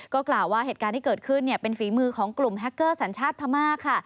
ก็กล่าวว่าเหตุการณ์ที่เกิดขึ้นเป็นฝีมือของกลุ่มแฮคเกอร์สัญชาติพม่าค่ะ